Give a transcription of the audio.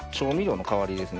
ですね